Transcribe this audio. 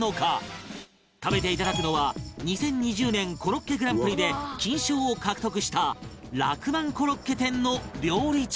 食べていただくのは２０２０年コロッケグランプリで金賞を獲得した楽万コロッケ店の料理長